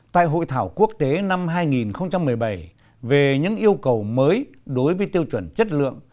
tại hội thảo quốc tế năm hai nghìn một mươi bảy về những yêu cầu mới đối với tiêu chuẩn chất lượng